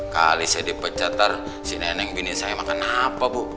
kali saya dipecatter si nenek binik saya makan apa bu